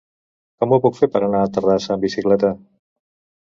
Com ho puc fer per anar a Terrassa amb bicicleta?